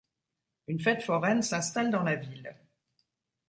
Une fête foraine s'installe dans la ville.